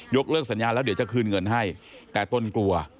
เลิกสัญญาแล้วเดี๋ยวจะคืนเงินให้แต่ตนกลัว